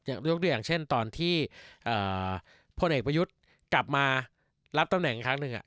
อย่างยกเดือนอย่างเช่นตอนที่เอ่อผลเอกประยุทธิ์กลับมารับตำแหน่งอีกครั้งหนึ่งอ่ะ